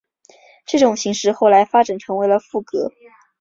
这种形式后来发展成为了赋格。